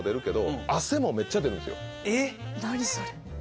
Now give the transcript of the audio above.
えっ⁉何それ。